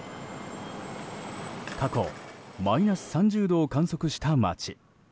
過去マイナス３０度を観測した町。